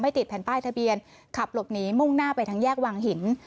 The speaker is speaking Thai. ติดแผ่นป้ายทะเบียนขับหลบหนีมุ่งหน้าไปทางแยกวังหิน